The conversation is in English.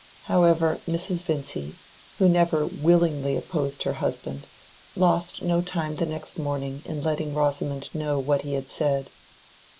However, Mrs. Vincy, who never willingly opposed her husband, lost no time the next morning in letting Rosamond know what he had said.